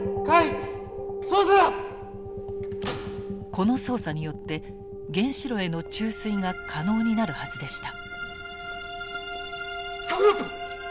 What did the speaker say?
この操作によって原子炉への注水が可能になるはずでした。